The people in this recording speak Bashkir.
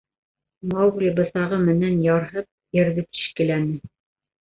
Маугли бысағы менән ярһып ерҙе тишкеләне.